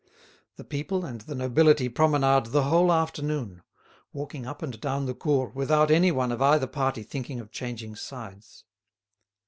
The people and the nobility promenade the whole afternoon, walking up and down the Cours without anyone of either party thinking of changing sides.